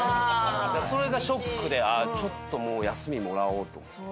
それがショックでちょっともう休みもらおうと思って。